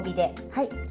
はい。